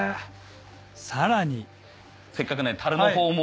さらにせっかくなんで樽のほうも。